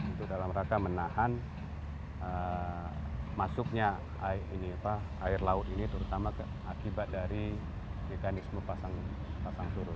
untuk dalam rangka menahan masuknya air laut ini terutama akibat dari mekanisme pasang surut